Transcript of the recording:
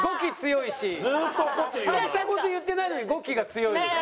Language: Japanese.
大した事言ってないのに語気が強いけど。